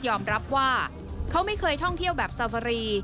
รับว่าเขาไม่เคยท่องเที่ยวแบบซาฟารี